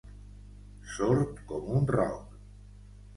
Sord com un roc.